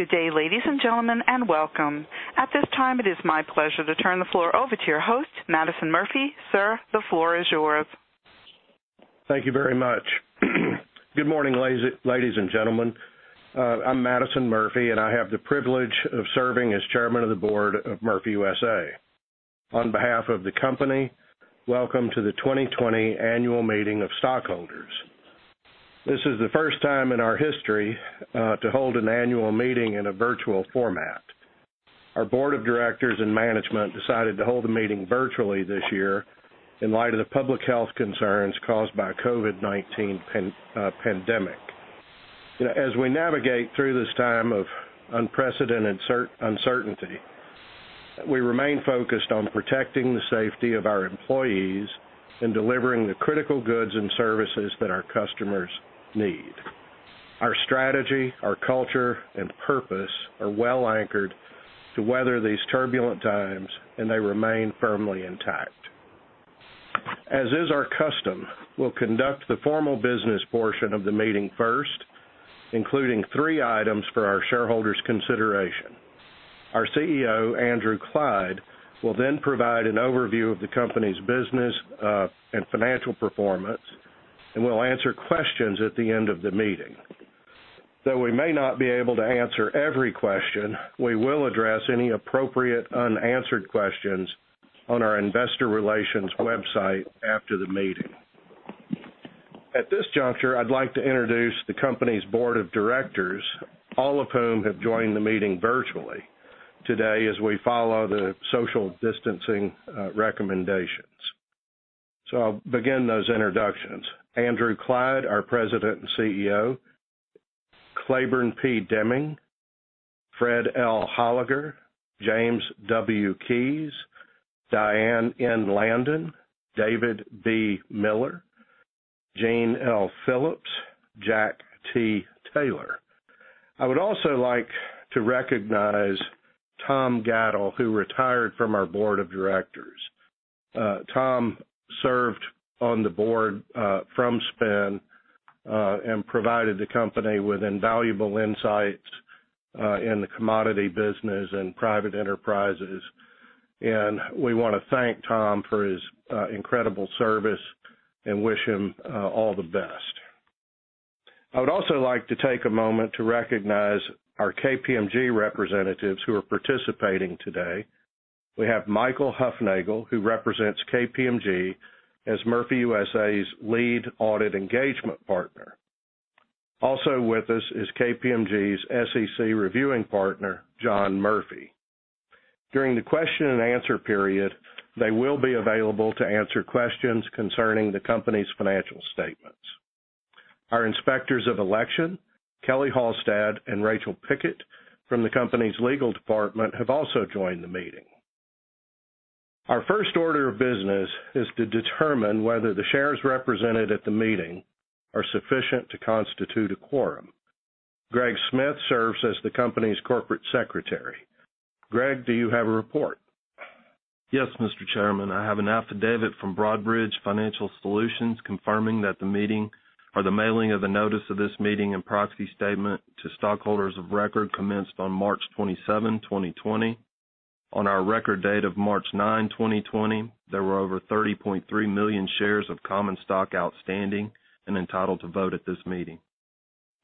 Good day, ladies and gentlemen, and welcome. At this time, it is my pleasure to turn the floor over to your host, Madison Murphy. Sir, the floor is yours. Thank you very much. Good morning, ladies and gentlemen. I'm Madison Murphy, and I have the privilege of serving as Chairman of the Board of Murphy USA. On behalf of the company, welcome to the 2020 Annual Meeting of Stockholders. This is the first time in our history to hold an annual meeting in a virtual format. Our Board of Directors and Management decided to hold the meeting virtually this year in light of the public health concerns caused by the COVID-19 pandemic. As we navigate through this time of unprecedented uncertainty, we remain focused on protecting the safety of our employees and delivering the critical goods and services that our customers need. Our strategy, our culture, and purpose are well anchored to weather these turbulent times, and they remain firmly intact. As is our custom, we'll conduct the formal business portion of the meeting first, including three items for our shareholders' consideration. Our CEO, Andrew Clyde, will then provide an overview of the company's business and financial performance, and we'll answer questions at the end of the meeting. Though we may not be able to answer every question, we will address any appropriate unanswered questions on our Investor Relations website after the meeting. At this juncture, I'd like to introduce the company's Board of Directors, all of whom have joined the meeting virtually today as we follow the social distancing recommendations. So I'll begin those introductions: Andrew Clyde, our President and CEO, Claiborne P. Deming, Fred L. Holliger, James W. Keyes, Diane N. Landen, David B. Miller, Jeanne L. Phillips, Jack T. Taylor. I would also like to recognize Tom Gattle, who retired from our Board of Directors. Tom served on the board from spin and provided the company with invaluable insights in the commodity business and private enterprises. And we want to thank Tom for his incredible service and wish him all the best. I would also like to take a moment to recognize our KPMG representatives who are participating today. We have Michael Hufnagel, who represents KPMG as Murphy USA's lead audit engagement partner. Also with us is KPMG's SEC reviewing partner, John Murphy. During the question-and-answer period, they will be available to answer questions concerning the company's financial statements. Our Inspectors of Election, Kelli Halstead, and Rachel Pickett from the company's legal department have also joined the meeting. Our first order of business is to determine whether the shares represented at the meeting are sufficient to constitute a quorum. Greg Smith serves as the company's Corporate Secretary. Greg, do you have a report? Yes, Mr. Chairman. I have an affidavit from Broadridge Financial Solutions confirming that the meeting, or the mailing of the notice of this meeting and proxy statement to stockholders of record commenced on March 27, 2020. On our record date of March 9th, 2020, there were over 30.3 million shares of common stock outstanding and entitled to vote at this meeting.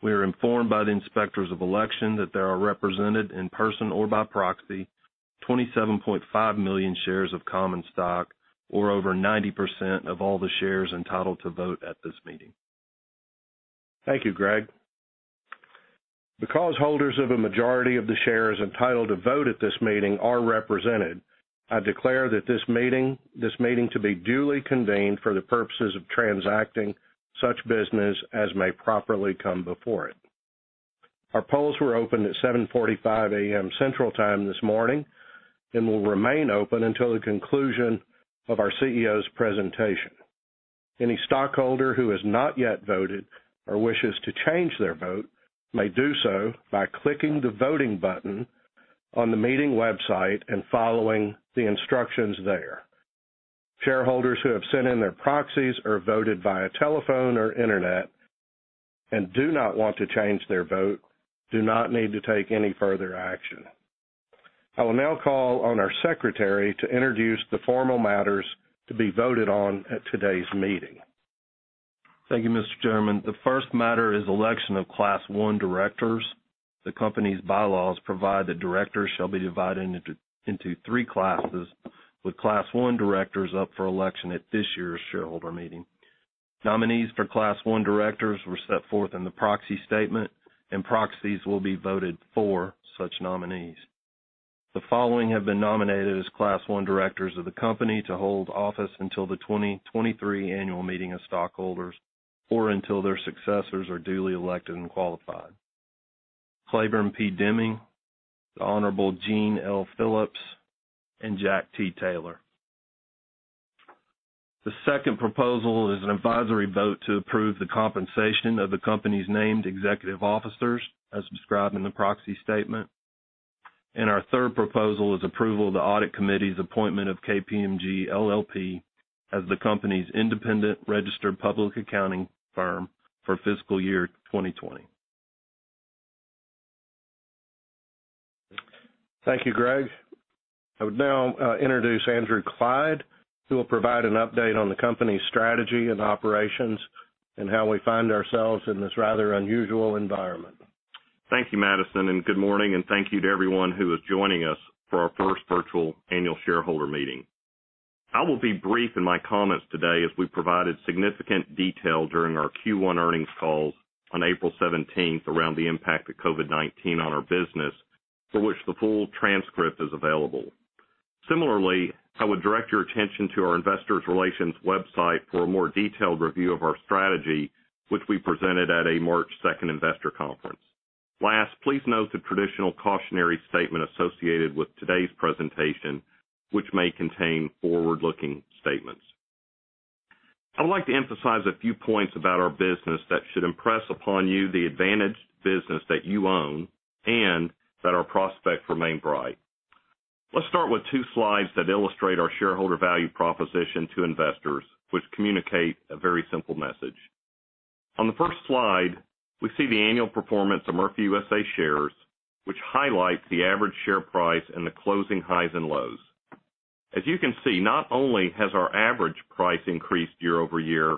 We are informed by the Inspectors of Election that there are represented in person or by proxy 27.5 million shares of common stock, or over 90% of all the shares entitled to vote at this meeting. Thank you, Greg. Because holders of a majority of the shares entitled to vote at this meeting are represented, I declare that this meeting to be duly convened for the purposes of transacting such business as may properly come before it. Our polls were open at 7:45 A.M. Central Time this morning and will remain open until the conclusion of our CEO's presentation. Any stockholder who has not yet voted or wishes to change their vote may do so by clicking the voting button on the meeting website and following the instructions there. Shareholders who have sent in their proxies or voted via telephone or internet and do not want to change their vote do not need to take any further action. I will now call on our Secretary to introduce the formal matters to be voted on at today's meeting. Thank you, Mr. Chairman. The first matter is election of Class I directors. The company's bylaws provide that directors shall be divided into three classes, with Class I directors up for election at this year's shareholder meeting. Nominees for Class I directors were set forth in the proxy statement, and proxies will be voted for such nominees. The following have been nominated as Class I directors of the company to hold office until the 2023 Annual Meeting of Stockholders or until their successors are duly elected and qualified: Claiborne P. Deming, the Honorable Jeanne L. Phillips, and Jack T. Taylor. The second proposal is an advisory vote to approve the compensation of the company's named executive officers, as described in the proxy statement, and our third proposal is approval of the audit committee's appointment of KPMG LLP as the company's independent registered public accounting firm for fiscal year 2020. Thank you, Greg. I would now introduce Andrew Clyde, who will provide an update on the company's strategy and operations and how we find ourselves in this rather unusual environment. Thank you, Madison, and good morning, and thank you to everyone who is joining us for our first virtual annual shareholder meeting. I will be brief in my comments today as we provided significant detail during our Q1 earnings calls on April 17 around the impact of COVID-19 on our business, for which the full transcript is available. Similarly, I would direct your attention to our Investor Relations website for a more detailed review of our strategy, which we presented at a March 2nd investor conference. Last, please note the traditional cautionary statement associated with today's presentation, which may contain forward-looking statements. I would like to emphasize a few points about our business that should impress upon you the advantaged business that you own and that our prospects remain bright. Let's start with two slides that illustrate our shareholder value proposition to investors, which communicate a very simple message. On the first slide, we see the annual performance of Murphy USA shares, which highlights the average share price and the closing highs and lows. As you can see, not only has our average price increased year-over-year,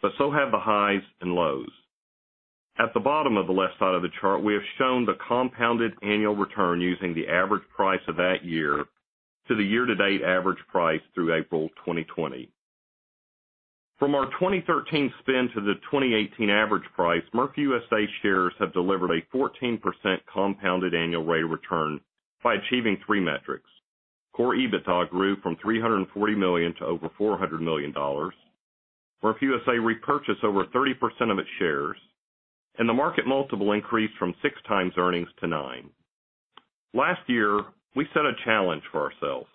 but so have the highs and lows. At the bottom of the left side of the chart, we have shown the compounded annual return using the average price of that year to the year-to-date average price through April 2020. From our 2013 spin to the 2018 average price, Murphy USA shares have delivered a 14% compounded annual rate of return by achieving three metrics: Core EBITDA grew from $340 million to over $400 million, Murphy USA repurchased over 30% of its shares, and the market multiple increased from six times earnings to nine. Last year, we set a challenge for ourselves: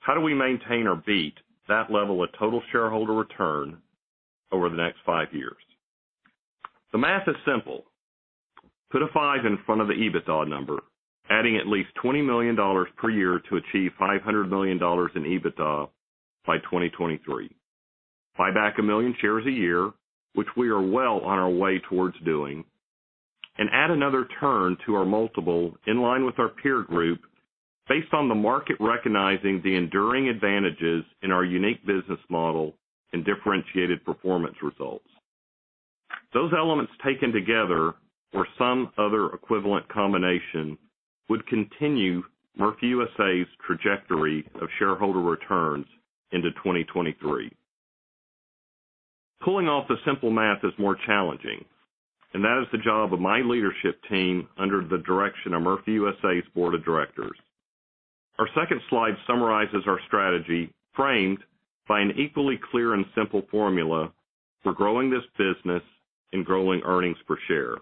how do we maintain or beat that level of total shareholder return over the next five years? The math is simple. Put a five in front of the EBITDA number, adding at least $20 million per year to achieve $500 million in EBITDA by 2023. Buy back a million shares a year, which we are well on our way towards doing, and add another turn to our multiple in line with our peer group based on the market recognizing the enduring advantages in our unique business model and differentiated performance results. Those elements taken together, or some other equivalent combination, would continue Murphy USA's trajectory of shareholder returns into 2023. Pulling off the simple math is more challenging, and that is the job of my leadership team under the direction of Murphy USA's Board of Directors. Our second slide summarizes our strategy framed by an equally clear and simple formula for growing this business and growing earnings per share.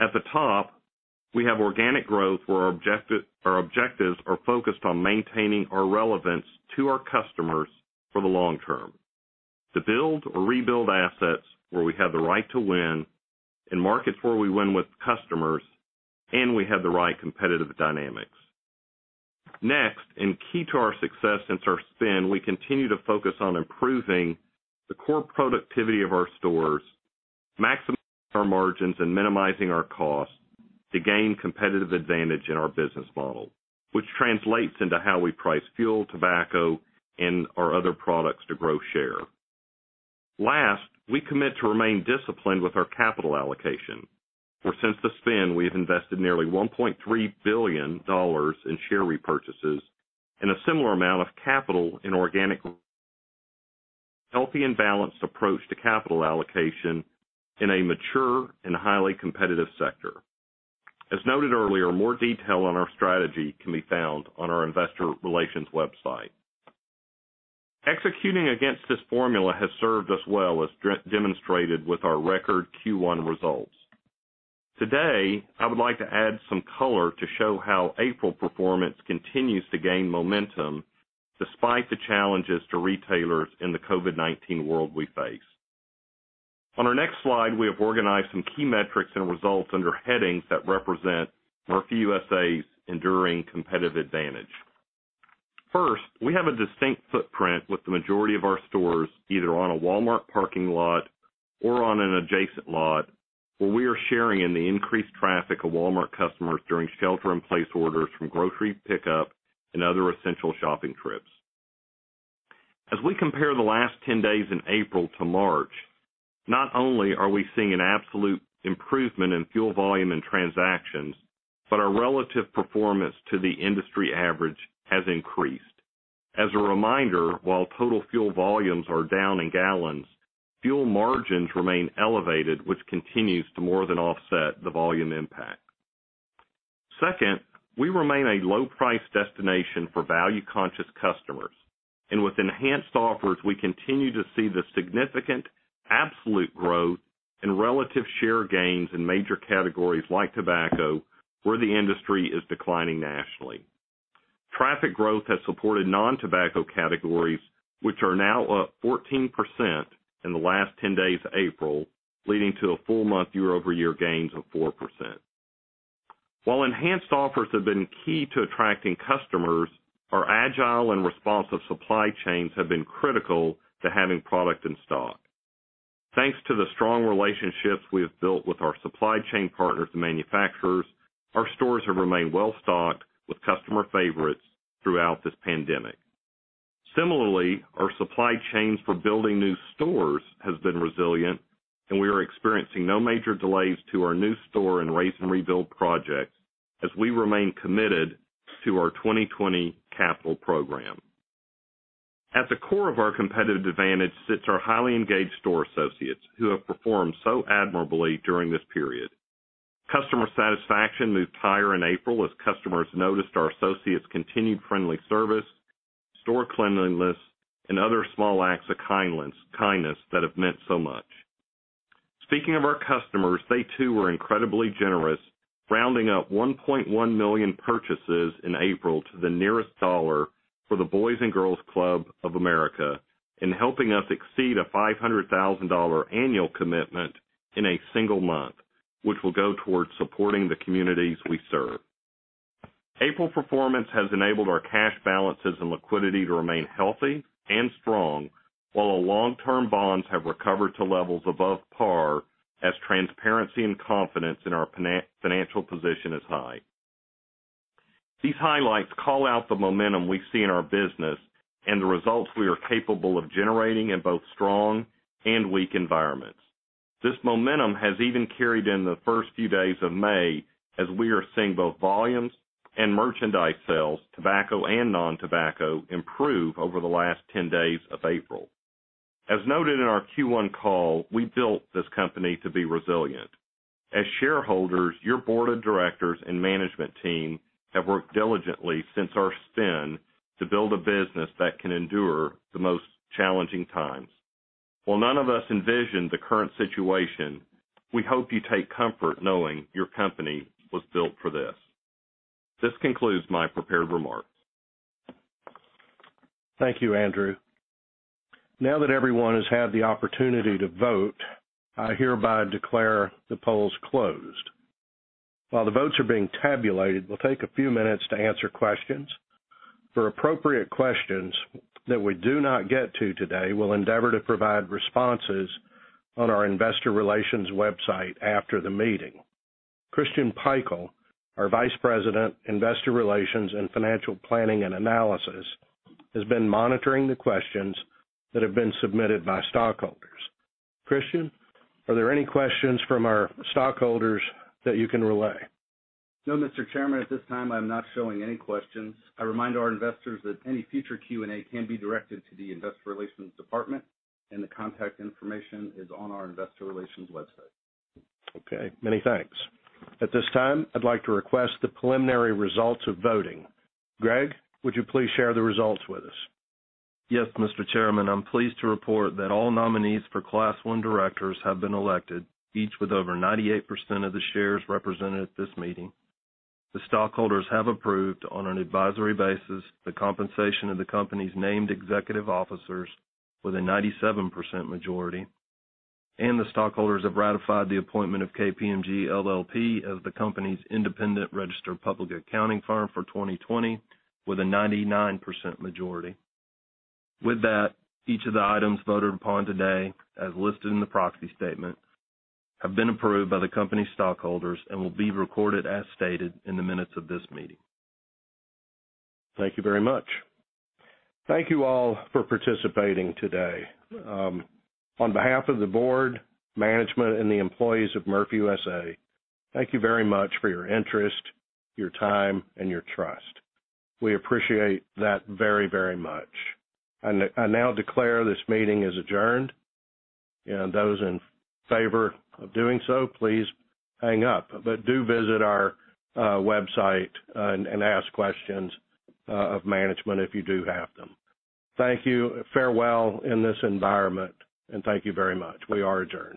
At the top, we have organic growth, where our objectives are focused on maintaining our relevance to our customers for the long term, to build or rebuild assets where we have the right to win, in markets where we win with customers, and we have the right competitive dynamics. Next, and key to our success since our spin, we continue to focus on improving the core productivity of our stores, maximizing our margins and minimizing our costs to gain competitive advantage in our business model, which translates into how we price fuel, tobacco, and our other products to grow share. Last, we commit to remain disciplined with our capital allocation, where since the spin, we have invested nearly $1.3 billion in share repurchases and a similar amount of capital in organic growth. Healthy and balanced approach to capital allocation in a mature and highly competitive sector. As noted earlier, more detail on our strategy can be found on our Investor Relations website. Executing against this formula has served us well, as demonstrated with our record Q1 results. Today, I would like to add some color to show how April performance continues to gain momentum despite the challenges to retailers in the COVID-19 world we face. On our next slide, we have organized some key metrics and results under headings that represent Murphy USA's enduring competitive advantage. First, we have a distinct footprint with the majority of our stores either on a Walmart parking lot or on an adjacent lot, where we are sharing in the increased traffic of Walmart customers during shelter-in-place orders from grocery pickup and other essential shopping trips. As we compare the last 10 days in April to March, not only are we seeing an absolute improvement in fuel volume and transactions, but our relative performance to the industry average has increased. As a reminder, while total fuel volumes are down in gallons, fuel margins remain elevated, which continues to more than offset the volume impact. Second, we remain a low-priced destination for value-conscious customers, and with enhanced offers, we continue to see the significant absolute growth in relative share gains in major categories like tobacco, where the industry is declining nationally. Traffic growth has supported non-tobacco categories, which are now up 14% in the last 10 days of April, leading to a full-month year-over-year gains of 4%. While enhanced offers have been key to attracting customers, our agile and responsive supply chains have been critical to having product in stock. Thanks to the strong relationships we have built with our supply chain partners and manufacturers, our stores have remained well stocked with customer favorites throughout this pandemic. Similarly, our supply chains for building new stores have been resilient, and we are experiencing no major delays to our new store and raze-and-rebuild projects as we remain committed to our 2020 capital program. At the core of our competitive advantage sits our highly engaged store associates, who have performed so admirably during this period. Customer satisfaction moved higher in April as customers noticed our associates' continued friendly service, store cleanliness, and other small acts of kindness that have meant so much. Speaking of our customers, they too were incredibly generous, rounding up 1.1 million purchases in April to the nearest dollar for the Boys & Girls Clubs of America and helping us exceed a $500,000 annual commitment in a single month, which will go towards supporting the communities we serve. April performance has enabled our cash balances and liquidity to remain healthy and strong, while our long-term bonds have recovered to levels above par as transparency and confidence in our financial position is high. These highlights call out the momentum we see in our business and the results we are capable of generating in both strong and weak environments. This momentum has even carried in the first few days of May as we are seeing both volumes and merchandise sales, tobacco and non-tobacco, improve over the last 10 days of April. As noted in our Q1 call, we built this company to be resilient. As shareholders, your Board of Directors and management team have worked diligently since our spin to build a business that can endure the most challenging times. While none of us envisioned the current situation, we hope you take comfort knowing your company was built for this. This concludes my prepared remarks. Thank you, Andrew. Now that everyone has had the opportunity to vote, I hereby declare the polls closed. While the votes are being tabulated, we'll take a few minutes to answer questions. For appropriate questions that we do not get to today, we'll endeavor to provide responses on our Investor Relations website after the meeting. Christian Pikul, our VP, Investor Relations and Financial Planning and Analysis, has been monitoring the questions that have been submitted by stockholders. Christian, are there any questions from our stockholders that you can relay? No, Mr. Chairman. At this time, I'm not showing any questions. I remind our investors that any future Q&A can be directed to the Investor Relations Department, and the contact information is on our Investor Relations website. Okay. Many thanks. At this time, I'd like to request the preliminary results of voting. Greg, would you please share the results with us? Yes, Mr. Chairman. I'm pleased to report that all nominees for Class I directors have been elected, each with over 98% of the shares represented at this meeting. The stockholders have approved on an advisory basis the compensation of the company's named executive officers with a 97% majority, and the stockholders have ratified the appointment of KPMG LLP as the company's independent registered public accounting firm for 2020 with a 99% majority. With that, each of the items voted upon today, as listed in the proxy statement, have been approved by the company's stockholders and will be recorded as stated in the minutes of this meeting. Thank you very much. Thank you all for participating today. On behalf of the board, management, and the employees of Murphy USA, thank you very much for your interest, your time, and your trust. We appreciate that very, very much. I now declare this meeting is adjourned, and those in favor of doing so, please hang up, but do visit our website and ask questions of management if you do have them. Thank you. Farewell in this environment, and thank you very much. We are adjourned.